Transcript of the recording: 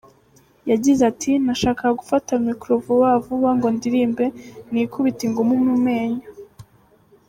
Yagize ati “Nashakaga gufata micro vuba vuba ngo ndirimbe, nikubita ingumi mu menyo”.